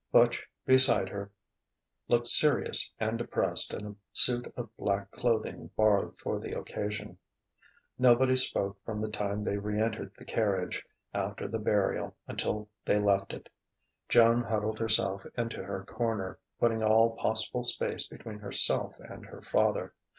Butch, beside her, looked serious and depressed in a suit of black clothing borrowed for the occasion. Nobody spoke from the time they re entered the carriage, after the burial, until they left it. Joan huddled herself into her corner, putting all possible space between herself and her father.